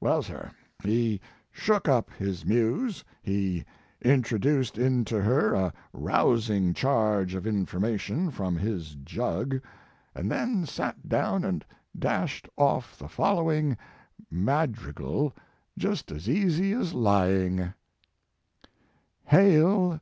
"Well, sir, he shook up his muse, he introduced into her a rousing charge of information from his jug, and then sat His Life and Work. down and dashed off the following rnad rigal just as easy as lying: HAIL!